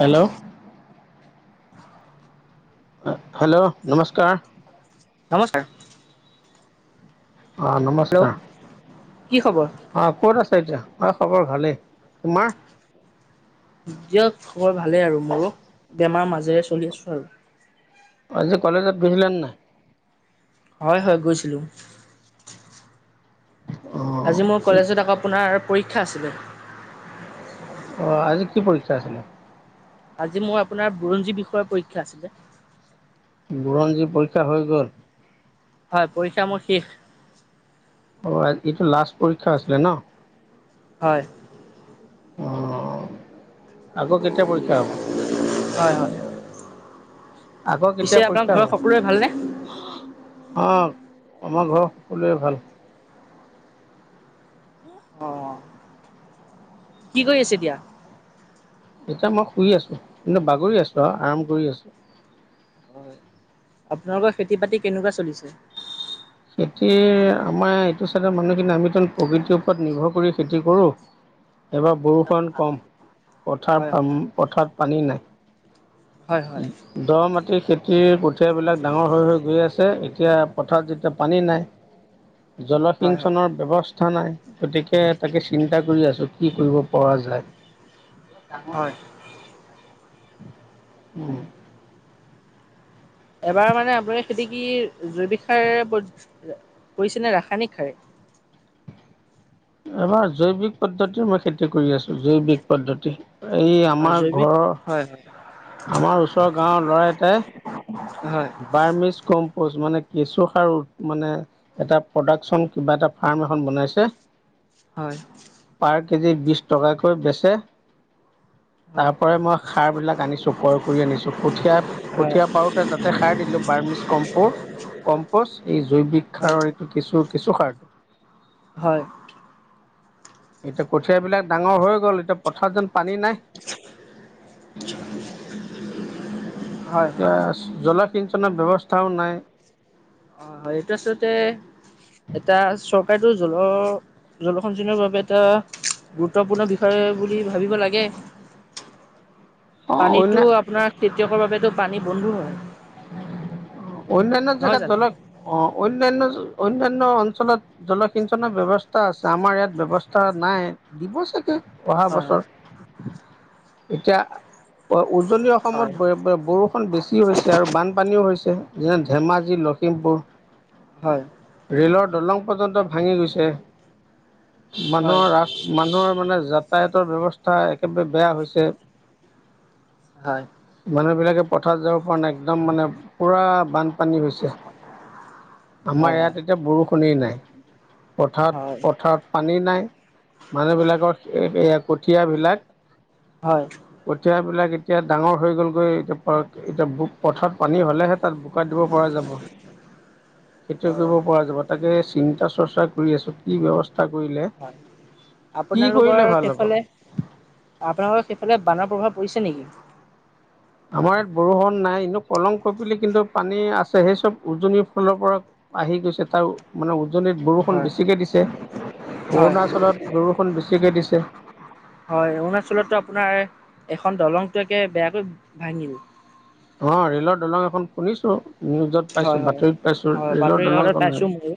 Hello [unintelligible] hello নমস্কাৰ নমস্কাৰ অ হেল্ল' নমস্কাৰ কি খবৰ? অহ কত আছা এতিয়া অ খবৰ ভালেই তোমাৰ দিয়ক খবৰ ভালেই আৰু মোৰো বেমাৰ মাজেৰে চলি আছো আৰু আজি কলেজত গৈছিলা নে নাই হয় হয় গৈছিলোঁ অ আজি মোৰ কলেজত আপোনাৰ পৰীক্ষা আছিলে অ আজি কি পৰীক্ষা আছিলে আজি মোৰ আপোনাৰ বুৰঞ্জী বিষয়ৰ পৰীক্ষা আছিলে বুৰঞ্জী পৰীক্ষা হৈ গ'ল হয় পৰীক্ষা মোৰ শেষ অ এইটো লাষ্ট পৰীক্ষা আছিলে ন হয় অ আকৌ কেতিয়া পৰীক্ষা হব হয় হয় আগৰ কেতিয়া পিছে আপোনাৰ পৰীক্ষা ঘৰৰ হব সকলোৰে ভালনে? অ আমাৰ ঘৰৰ সকলোৱে ভাল অ কি কৰি আছে এতিয়া এতিয়া মই শুই আছো কিন্তু বাগৰি আছো আৰু আৰাম কৰি আছো হয় আপোনালোকৰ খেতি বাতি কেনেকুৱা চলিছে খেতি আমাৰ এইটো চাইডৰ মানুহখিনি আমি প্ৰকৃতিৰ ওপৰত নিৰ্ভৰ কৰি খেতি কৰোঁ এইবাৰ বৰষুণ কম পথাৰ হয় হয়। পথাৰত পানী হয় হয় নাই দ মাটিৰ খেতি খেতি কঠীয়াবিলাক ডাঙৰ হৈ হৈ গৈ আছে এতিয়া পথাৰত যেতিয়া পানী নাই হয় হয় জলসিঞ্চনৰ ব্যৱস্থা কথা নাই গতিকে তাকে চিন্তা কৰি আছোঁ কি কৰিব পৰা যায় কঙৰ হয় [unintelligible] [inaudible] উম এবাৰ মানে আপোনাৰ খেতি কি জৈৱিক সাৰে কৰিছেনে ৰাসায়নিক সাৰ [unintelligible] এইবাৰ জৈৱিক পদ্ধতি মই খেতি কৰি আছো জৈৱিক পদ্ধতি এই হয় আমাৰ জৈৱিক ঘৰৰ হয় আমাৰ ওচৰৰ গাঁৱৰ ল'ৰা এটাই হয় হয় বাৰ্মিছ কম্প মানে কেঁচু সাৰ মানে এটা প্ৰডাকচন কিবা এটা ফাৰ্ম এখন বনাইছে হয় পাৰ কেজি বিশছ টকাকৈ বেচে হয় তাৰ পৰাই মই সাৰ বিলাক আনিছো ক্ৰয় কৰি আনিছো কঠীয়া হয় কঠীয়া পাৰোতে তাতে সাৰ দিলোঁ বাৰ্মিছ কম্প'ৰ কম্পচ এই জৈৱিক হয় সাৰৰ এইটো কিছু কিছু সাৰ হয় এতিয়া কঠিয়া বিলাক ডাঙৰ হৈ গ'ল এতিয়া পথাৰত যেন পানী নাই হয় এ হয় জলসিঞ্চনৰ ব্যৱস্থাও নাই অ হয় এইটো আচলতে এটা চৰকাৰেতো জল জলসঞ্চনৰ বাবে এটা গুৰুত্বপূৰ্ণ বিষয় বুলি ভাবিব লাগে [inaudible] অন্য পানীতো আপোনাৰ খেতিয়কৰ বাবেতো পানী বন্ধু হয় অন্যান্য নহয় জেগাত জানো ধলক অ' অন্যান্য অন্যান্য অঞ্চলত জলসিঞ্চনৰ ব্যয়ৱস্থা আছে আমাৰ ইয়াত ব্যৱস্থা নাই দিব চাগে অহা হয় বছৰ এতিয়া উজনি হয় অসমত বৰষুণ বেছি হৈছে আৰু বানপানীও হৈছে যেনে ধেমাজি লখিমপুৰ হয় ৰে'লত দলং পৰ্যন্ত ভাঙি গৈছে হয় মানুহৰ ৰাস মানুহৰ মানে যাতায়তৰ ব্যৱস্থা একেবাৰে বেয়া হৈছে হয় হয় মানুহবিলাকে পথাৰত যাব কাৰণে একদম মানে পূৰা বান পানী হৈছে আমাৰ ইয়াত এতিয়া বৰষুণেইই নাই পথাৰত হয় হয় পথাৰত পানী নাই মানুহবিলাকৰ কঠিয়াবিলাক হয় কঠিয়াবিলাক। এতিয়া ডাঙৰ হৈ গ'লগৈ এতিয়া এতিয়া পথত পানী হ'লেহে তাত। টকা দিব পৰা যাব খেতি কৰিব পৰা যাব তাকে চিন্তা চৰ্চা কৰি আছোঁ হয় কি আপোনালোকৰ কৰিলে ভাল হ'ব সেইফালে আপোনালোকৰ সেইফালে বানৰ প্ৰভাৱ। পৰিছে নেকি আমাৰ ইয়াত বৰষুণ নাই ইনে কলং কপিলি কিন্তু পানী আছে সেই চব উজনিৰ ফালৰ পৰা আহি গৈছে তাৰ মানে উজনিত বৰষুণ হয় বেছিকৈ দিছে হয় অৰুণাচলত বৰষুণ বেছিকৈ দিছে হয় অৰুণাচলতো আপোনাৰ এখন দলংট একে বেয়াকৈ ভাঙিল। অ' ৰেলৰ দলং এখন শুনিছো নিউজত হয় পাইছো হয় বাতৰিত পাইছো হয় ৰেলৰ বাতৰি কাকতত দলংখন পাইছো ময়ো।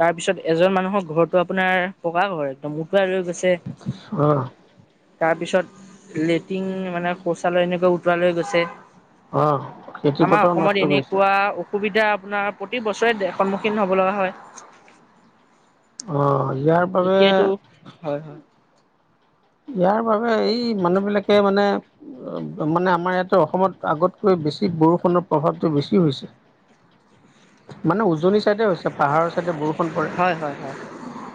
তাৰ পিছত এজন মানুহৰ ঘৰতো আপোনাৰ পকা ঘৰ একদম উটুৱাই লৈ গৈছে। অ' তাৰপিছত লেট্ৰিন মানে শৌচালয় এনেকৈ উতোৱ লৈ গৈছে অ খেতি আমাৰ পথাৰ নষ্ট অসমত কৰিছে অ এনেকুৱা সুবিধা আপোনাৰ প্ৰতি বছৰে সন্মুখীন হ'ব লগা হয়। অহ ইয়াৰ বাবে এতিয়াতো হয় হয় ইয়াৰ বাবে এই মানুহ বিলাকে মানে মানে আমাৰ ইয়াতে অসমত আগতকৈ বেছি বৰষুণৰ প্ৰভাৱটো বেছি হৈছে মানে উজনি চাইডে হৈছে পাহাৰৰ ছাইডে বৰষুণ পৰে হয় হয় হয়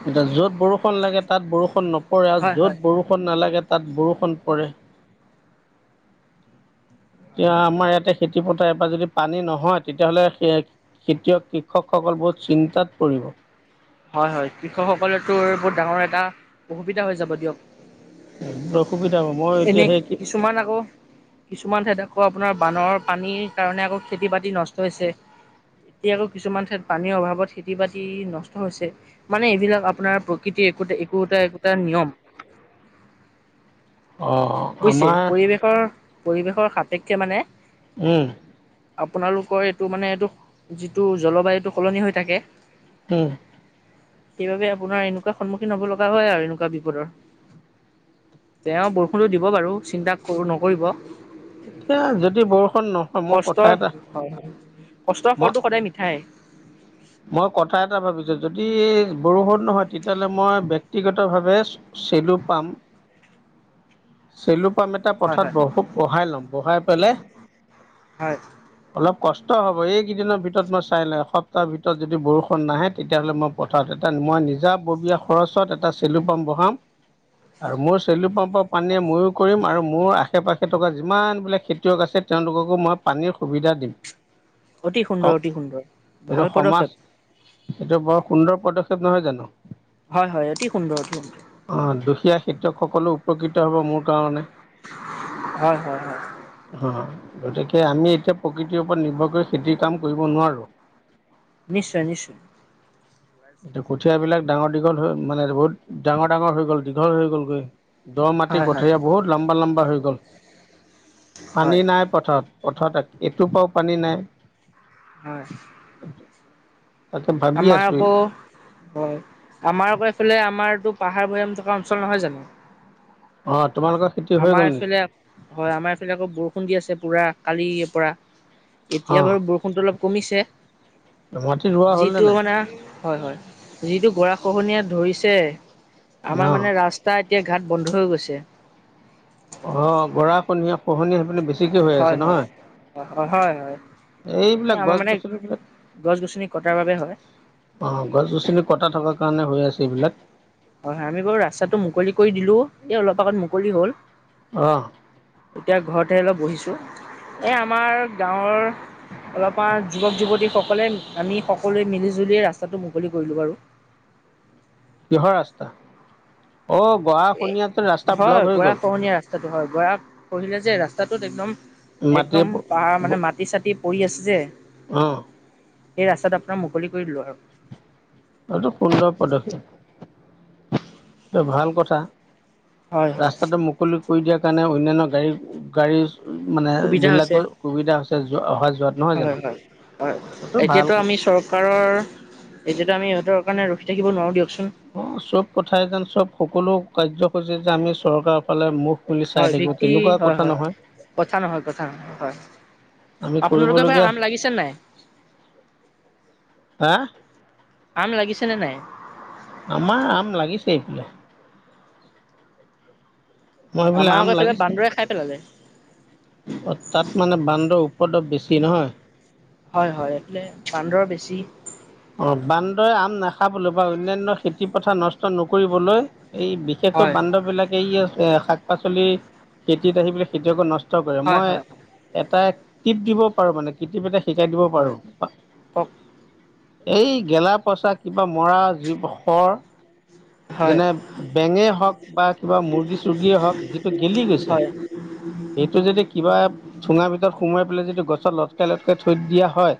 এতিয়া য'ত বৰষুণ লাগে তাত বৰষুণ নপৰে। আৰু হয় য'ত হয়। বৰষুণ নালাগে তাত বৰষুণ পৰে এতিয়া আমাৰ ইয়াতে খেতি পথাৰ বা যদি পানী নহয় তেতিয়াহ'লে সেই খেতিয়ক কৃষকসকল বোৰ চিন্তাত পৰিব হয় -হয় কৃষকসকললেতো বহুত ডাঙৰ এটা অসুবিধা হৈ যাব দিয়ক অসুবিধা হ'ব মই এতিয়া এনে সেই কিছুমান আকৌ কিছুমান ঠাইতে আকৌ আপোনাৰ বানৰ পানীৰ কাৰণে আকৌ খেতি বাতি নষ্ট হৈছে এতিয়া আকৌ কিছুমান ঠাইত পানীৰ অভাৱত খেতি-বাতি নষ্ট হৈছে মানে এইবিলাক আপোনাৰ প্ৰকৃতিৰ একো একোটা একোটা নিয়ম [inaudible] বুজিছে আমাৰ পৰিৱেশৰ পৰিৱেশৰ সাপেক্ষে মানে উম। আপোনালোকৰ এইটো মানে এইটো যিটো জলবায়ুটো সলনি হৈ থাকে উম সেইবাবে আপোনাৰ এনেকুৱা সন্মুখীন হব লগা হয় আৰু এনেকুৱা বিপদৰ তেওঁ বৰষুণো দিব বাৰু চিন্তা কৰো নকৰিব। এতিয়া যদি বৰষুণ নহয় মোৰ কষ্টৰ কথা এটা হয় হয়। কষ্টৰ মই ফলটো সদায় মিঠায়ে। মই কথা এটা ভাবিছোঁ যদি বৰষুণ নহয় তেতিয়াহ'লে মই ব্যক্তিগতভাৱে চেলু পাম চেলু পাম এটা হয় পথাৰত হয় বহায় লম বহাই পেলে হয় অলপ কষ্ট [unintelligible] হ'ব, এইকেইদিনৰ ভিতৰত মই চাই লাই সপ্তাহ ভিতৰত যদি বৰষুণ নাহে তেতিয়াহ'লে মই পথাৰত এটা মই নিজাববীয়া খৰচত এটা চেলু পাম্প বহাম। আৰু মোৰ চেলু পাম্পৰ পানীয়ে ময়ো কৰিম আৰু মোৰ আশে পাশে থকা যিমান বিলাক খেতিয়ক আছে তেওঁলোককো মই পানীৰ সুবিধা দিম। অতি সুন্দৰ অতি সুন্দৰ ভাল পদক্ষেপ। এইেটো বৰ সুন্দৰ পদক্ষেপ নহয় জানো। হয়-হয়, অতি সুন্দৰ অতি সুন্দৰ। সেয়া খেতিয়কসকলো উপকৃত হ'ব মোৰ কাৰণে। হয়, হয়-হয়। অ', গতিকে আমি এতিয়া প্ৰকৃতিৰ ওপৰত নিৰ্ভৰ কৰি খেতিৰ কাম কৰিব নোৱাৰো। নিশ্চয় নিশ্চয়। এয়া কঠিয় বিলাক ডাঙৰ দীঘল হৈ মানে বহুত ডাঙৰ ডাঙৰ হৈ গ'ল দীঘল হৈ গ'লগৈ। দ মাটি হয় হয় কঠীয়া বহুত লম্বা লম্বা হৈ গল হয় পানী নাই পথাৰত। অৰ্থাৎ এটোপাও পানী নাই। হয় তাকে ভাবি আমাৰ আছোঁ। আকৌ হয় আমাৰ আকৌ এইফালে আমাৰতো পাহাৰ-ভৈয়াম থকা অঞ্চল নহয় জানো? অ। তোমালোকৰ খেতি হৈ আমাৰ গ'ল নেকি? এইফালে হয় আমাৰ এইফালে আকৌ বৰষুণ দি আছে পুৰা কালি পৰা। এতিয়া অ', বাৰু বৰষুণটো অলপ কমিছে মাটি ৰোৱা হ'ল নে যিটো নাই? মানে হয়-হয় যিটো গৰাখহনীয়া ধৰিছে আমাৰ অ'। মানে ৰাস্তাত এতিয়া ঘাট বন্ধ হৈ গৈছে। অ' গৰা খহনীয়া সেইপিনে বেছিকে হৈ আছে নহয়? অ', অ' হয়-হয় এই এইবিলাক আমাৰ গছ মানে গছনিবিলাক গছ গছনি কটাৰ বাবে হয়। অ' গছ গছনি কটা থকাৰ কাৰণে হৈ আছে এইবিলাক। হয়, হয় আমি বাৰু ৰাস্তাটো মুকলি কৰি দিলো এই অলপ আগত মুকলি হ'ল। অ এতিয়া ঘৰতে অলপ বহিছো এ আমাৰ গাঁৱৰ অলপমান যুৱক যুৱতীসকলে আমি সকলোৱ মিলি জুলিয়ে ৰাস্তাটো মুকলি কৰিলোঁ বাৰু। কিহৰ ৰাস্তা? অ গৰা এ খহনীয়াতে ৰাস্তা ব্লক হয় হৈ গ'ল গৰাখহনীয়া ৰাস্তাটো হয় গৰা খহিলে যে ৰাস্তা তাটোত একদম মাটিয়ে একদম পাহাৰ মানে মাটি চাটি পৰি আছে যে। অ'। সেই ৰাস্তাটো আপোনাৰ মুকলি কৰি দিলো আৰু। এইটো সুন্দৰ পদক্ষেপ। এ ভাল কথা হয় হয় ৰাস্তাতে মুকলি কৰি দিয়াৰ কাৰণে অনন্যান গাড়ী-গাড়ী মানে সুবিধা হৈছে বিলাকৰ সুবিধা হৈছে অহা যোৱা। হয়, হয়, হয়, ভাল এতিয়াতো আমি চৰকাৰৰ এতিয়াটো আমি ইহতৰ কাৰণ ৰখি থাকিব নোৱাৰো দিয়ক। অ' চব কথাই যেন চব সকলো কাৰ্যসূচী যে আমি চৰকাৰৰ ফালে মুখ খুলি চাই হয় থাকিব ভিকতি, তেনেকুৱা কথা হয়-হয় নহয় কথা নহয় কথা নহয় হয়। আমি আপোনালোকৰ এইবাৰ কৰিবলগীয়া আম লাগিছে নাই? হা চনে নাই? আমাৰ আম লাগিছে এইফালে। মই বোলে আমাৰ আম আকৌ এইফালে লাগিছে বান্দৰে খাই পেলালে তাত মানে বান্দৰ পদৱ বেছি নহয়। হয় হয় এইফে বান্দৰ বেছি অ বান্দৰে আম নাখাবলৈ বা অন্যান্য খেতি পথাৰ নষ্ট নকৰিবলৈ এই বিশেষকৈ হয় বান্দৱ বিলাকে ইয় শাক পাচলি খেতিত আহি পেল খেতিয়কো নষ্ট কৰে হয় মই হয় এটা টিপ দিব পাৰো মানে কৃটিপ এটা শিকাই দিব হয় পাৰো কওক এই গেলা পইচা কিবা মৰা য খৰ হয় যেনে বেঙে হওঁক বা কিবা মুৰ্গী চৰ্গীয়ে হওক যিটো গেলি গৈছে হয় সেইটো যদি কিবা চোঙাৰ ভিতৰত সোমাই পেলাই যদি গছত লটকাই লটকাই থৈ দিয়া হয়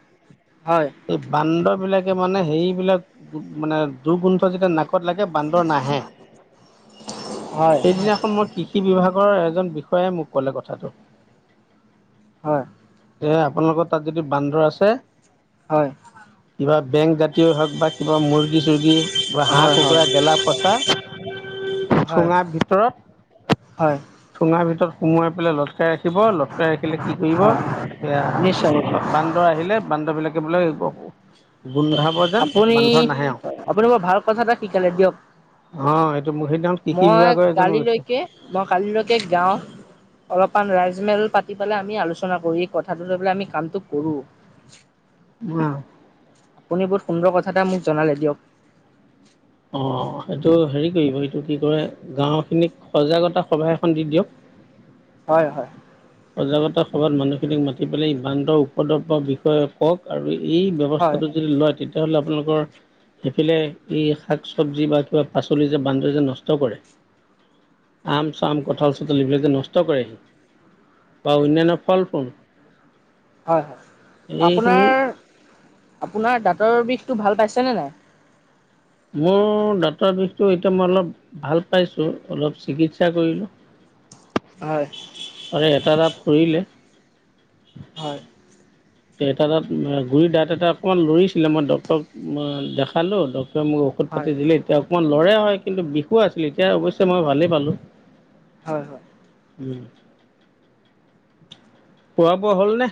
হয় এই বান্দৰ বিলাকে মানে সেইবিলাক মানে দুগোন্ধ যেতিয়া নাকত লাগে বান্দৰ নে হয় হয় সেইদিনাখন মই কৃষি বিভাগৰ এজন বিষয়াই মোক ক'লে কথাটো হয় এ আপোনালোকৰ তাত যদি বান্দৰ আছে হয় কিবা বেংক জাতীয় হওক বা কিবা মুৰ্গী চৰ্গী বা হহ গেলা পচা হয় হয় ঠুঙাৰ ভিতৰত হয় ঠুঙা ভ ভিতৰত সোমোৱাই লটকাই ৰাখিব লটকাই ৰাখিলে কি কৰিব হয় নিশ্চয় নিশ্চয় বান্দৰ আহিলে বান্দৰবিলাক কেলে গোন্ধাব যেন আপুনি মান্ধৰ নাহে আৰু আপুনি বৰ ভাল কথা এটা শিকালে দিয়ক অ এইটো মুখে মই কালিলৈকে মই কালিলৈকে গাও অলপমান ৰাইজ তজমেল পাতি পেলাই আমি আলোচনা কৰি এই কথাটো লৈ পেলাই আমি কামটো কৰোঁ গৈছে আপুনি বহুত সুন্দৰ কথা এটা মোক জনালে দিয়ক কি কৰিব এইটো কি কৰে গাও খিনিক সজাগতা সভা এখন দি দিয়ক হয় হয় সজাগতা সভাত মানুহখিনিক মাতি পেলাই সিমানান্ত উপদ্ৰৱৰ বিষয়ে কওক আৰু এই ব্যবৱস্থা হয় যদি লয় তেতিয়াাহ'লে আপোনালোকৰ সেইফালে ই শাক চব্জি বা কিবা পাচলি যে বান্দৰ যে নষ্ট কৰে আম চাম কঠাল চঠাল এইবিলাকে নষ্ট কৰেহি। বা অন্যান্য ফল ফোন হয় হয় আপোনাৰ আপোনাৰ বটৰ বিষটো ভাল পাইছেনে নাই মোৰ দাঁতৰ বিষটো এতিয়া মই অলপ ভাল পাইছো অলপ চিকিৎসা কৰিলো হয় হয় আৰু এটা তাত ফুৰিলে হয় তে এ তাত গুৰি দাঁত এটা অকমান লৰিছিলে মই ড্টৰক দেখালো ডট মোক ঔষধ হয় পাতি দিলে এতিয়া অকণমান লৰা হয় কিন্তু বিষু আছিল এতিয়া অৱশ্যে মই ভালেই পালো। হয় হয় খোৱা বোৱা হল নে